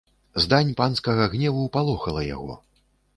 Здань панскага гневу палохала яго.